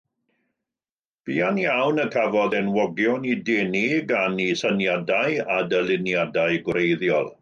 Buan iawn y cafodd enwogion eu denu gan ei syniadau a dyluniadau gwreiddiol.